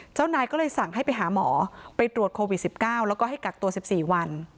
เจ้านายก็เลยสั่งให้ไปหาหมอไปตรวจโควิด๑๙แล้วก็ให้กักตัว๑๔วัน